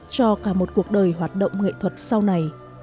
cho cả một cuộc đời hoạt động nghệ thuật sau này